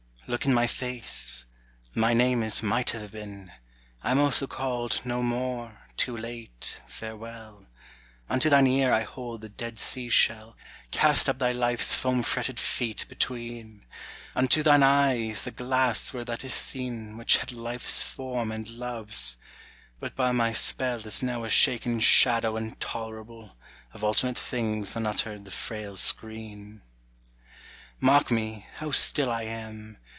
Look in my face; my name is Might have been; I am also called No more, Too late, Farewell; Unto thine ear I hold the dead sea shell Cast up thy Life's foam fretted feet between; Unto thine eyes the glass where that is seen Which had Life's form and Love's, but by my spell Is now a shaken shadow intolerable, Of ultimate things unuttered the frail screen. Mark me, how still I am!